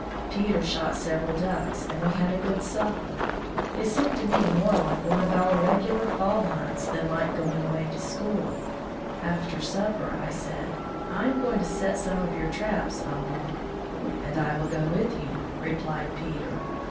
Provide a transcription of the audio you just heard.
Peter shot several ducks, and we had a good supper. It seemed to me more like one of our regular fall hunts than like going away to school. After supper I said, "I am going to set some of your traps, uncle." "And I will go with you," replied Peter.